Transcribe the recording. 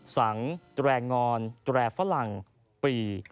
สังแดงงอนแดแฟลังปี่